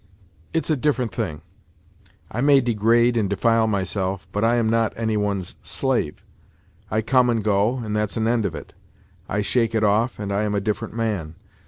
It's a different thing. I may degrade and defile myself, but I am not any one's slave. I come and go, and that's an end of it. I shake it off, and I am a different man.